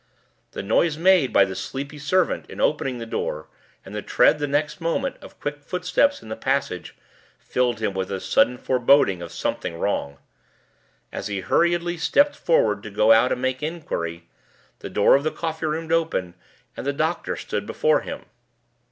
The noise made by the sleepy servant in opening the door, and the tread the next moment of quick footsteps in the passage, filled him with a sudden foreboding of something wrong. As he hurriedly stepped forward to go out and make inquiry, the door of the coffee room opened, and the doctor stood before him.